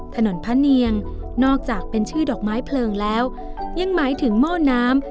ถนนพระเนียงนอกจากเป็นชื่อดอกไม้เพลิงแล้วยังหมายถึงหม้อน้ำ